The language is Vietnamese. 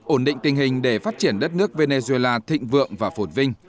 ổn định tình hình để phát triển đất nước venezuela thịnh vượng và phổn vinh